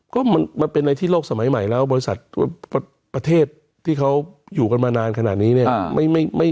ก็มันเป็นในที่โลกสมัยใหม่แล้วบริษัทประเทศที่เขาอยู่กันมานานขนาดนี้เนี่ย